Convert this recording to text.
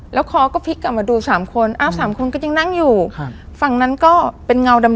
แล้วคอก็พลิกกลับมาดูสามคนอ้าวสามคนก็ยังนั่งอยู่ครับฝั่งนั้นก็เป็นเงาดำ